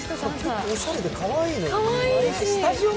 結構おしゃれでかわいいのよね。